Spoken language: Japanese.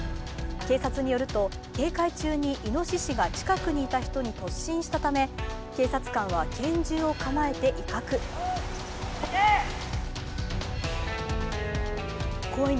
警察によると警戒中にいのししが近くにいた人に突進したため、警察官は拳銃を構えて威嚇。